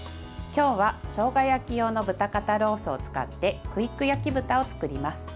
今日はしょうが焼き用の豚肩ロースを使ってクイック焼き豚を作ります。